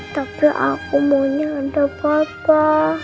tapi aku maunya ada papa